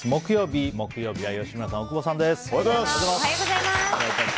本日木曜日、木曜日は吉村さん、大久保さんです。